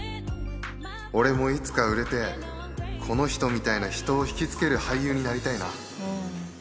俺もいつか売れて、この人みたいな人を引き付ける俳優になりたいな。